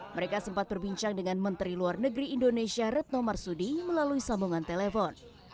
mereka sempat berbincang dengan menteri luar negeri indonesia retno marsudi melalui sambungan telepon